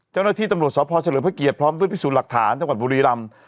เจ้าหน้าที่ตำรวจสพเฉลิมพระเกียรติพร้อมด้วยพิสูจน์หลักฐานจังหวัดบุรีรำ